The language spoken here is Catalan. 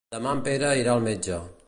Demà en Pere irà al metge.